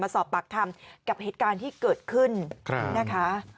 สอบปากคำกับเหตุการณ์ที่เกิดขึ้นนะคะ